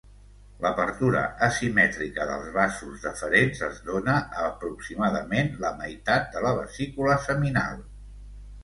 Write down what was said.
L'apertura asimètrica dels vasos deferents es dóna a aproximadament la meitat de la vesícula seminal.